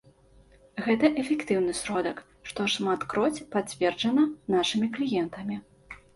Гэта эфектыўны сродак, што шматкроць пацверджана нашымі кліентамі.